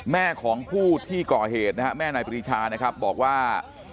แม่ของผู้ที่ก่อเหตุนะฮะแม่นายปรีชานะครับบอกว่า